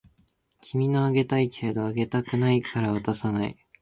君のあげたいけれどあげたくないから渡さない